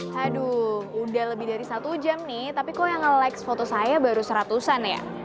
haduh udah lebih dari satu jam nih tapi kok yang nge likes foto saya baru seratusan ya